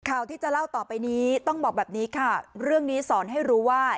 ข่าวที่จะเล่าต่อไปนี้ต้องบอกแบบนี้ค่ะเรื่องนี้สอนให้รู้ว่า